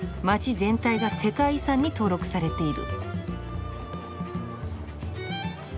全体が世界遺産に登録されている。